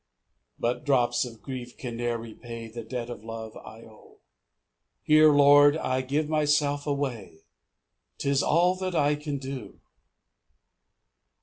6 But drops of grief can ne'er repay The debt of love I owe; Here, Lord, I give myself away, 'Tis all that I can do.